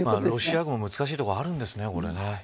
ロシア軍も難しいところがあるんですか。